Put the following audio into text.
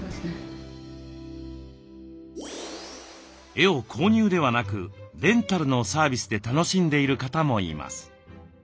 絵を購入ではなくレンタルのサービスで楽しんでいる方もいます。